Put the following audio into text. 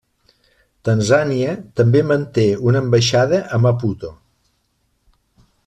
Tanzània també manté una ambaixada a Maputo.